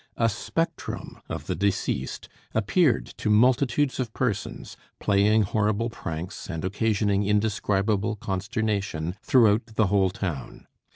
A spectrum of the deceased appeared to multitudes of persons, playing horrible pranks, and occasioning indescribable consternation throughout the whole town.